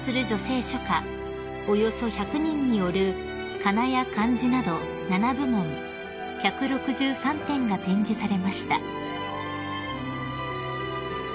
およそ１００人による仮名や漢字など７部門１６３点が展示されました］